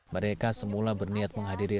mereka semula berniat menghadiri